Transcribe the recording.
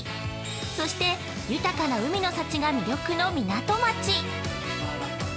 そして、豊かな海の幸が魅力の港町。